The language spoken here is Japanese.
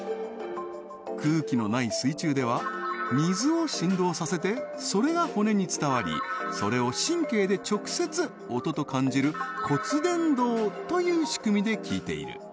空気のない水中では水を振動させてそれが骨に伝わりそれを神経で直接音と感じる骨伝導という仕組みで聴いているウエタックスのスピーカーは独自の技術で